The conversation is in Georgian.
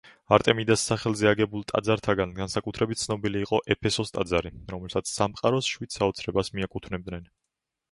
არტემიდას სახელზე აგებულ ტაძართაგან განსაკუთრებით ცნობილი იყო ეფესოს ტაძარი, რომელსაც „სამყაროს შვიდ საოცრებას“ მიაკუთვნებდნენ.